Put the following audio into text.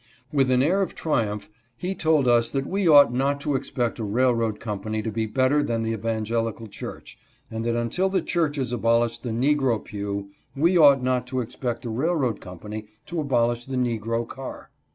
With an air of triumph he told us that we ought not to expect a railroad company to be better than the evangelical church, and that until the churches abolished the " negro pew " we ought not A BETTER PRACTICE. 279 to expect the railroad company to abolish the negro car.